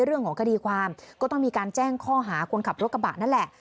เรื่องของคดีความก็ต้องมีการแจ้งข้อหาคนขับรถกระบะนั่นแหละ